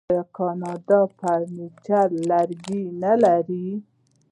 آیا کاناډا د فرنیچر لرګي نلري؟